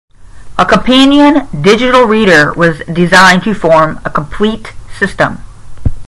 A companion digital reader was designed to form a complete system.